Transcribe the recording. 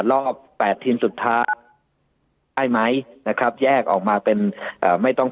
รอบแปดทีมสุดท้ายได้ไหมนะครับแยกออกมาเป็นเอ่อไม่ต้อง